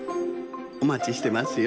おまちしてますよ。